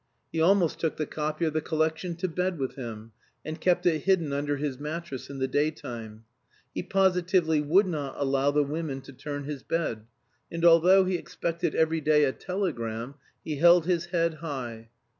He almost took the copy of the collection to bed with him, and kept it hidden under his mattress in the daytime; he positively would not allow the women to turn his bed, and although he expected every day a telegram, he held his head high.